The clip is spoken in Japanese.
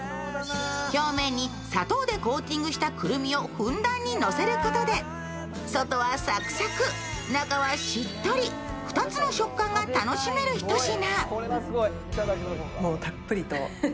表面に砂糖でコーティングしたくるみをふんだんに乗せることで外はサクサク、中はしっとり２つの食感が楽しめるひと品。